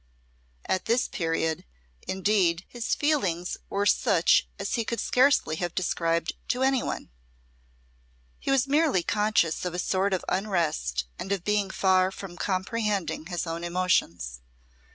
At this period, indeed, his feelings were such as he could scarcely have described to any one. He was merely conscious of a sort of unrest and of being far from comprehending his own emotions.